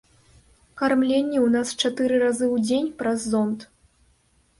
Кармленне ў нас чатыры разы ў дзень праз зонд.